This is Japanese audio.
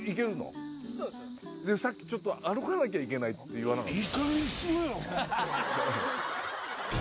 さっきちょっと歩かなきゃいけないって言わなかった？